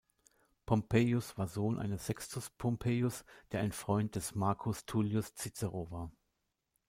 Pompeius war Sohn eines Sextus Pompeius, der ein Freund des Marcus Tullius Cicero war.